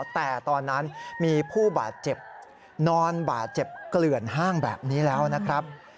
แต่ตอนนั้นมีผู้บาดเจ็บนอนบาดเจ็บเกลื่อนห้างแบบนี้แล้วนะครับ